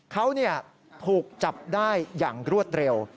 เขาถูกจับได้อย่างรวดเร็ว